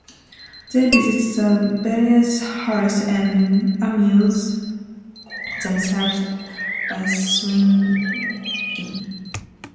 They visit the various houses and amuse themselves by swinging.